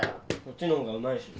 こっちの方がうまいし